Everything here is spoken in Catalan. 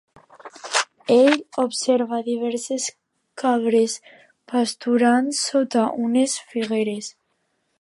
Ell observà diverses cabres pasturant sota unes figueres.